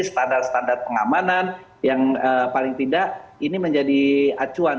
standar standar pengamanan yang paling tidak ini menjadi acuan